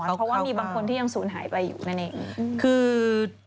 เพราะว่ามีบางคนที่ยังศูนย์หายไปอยู่นั่นเอง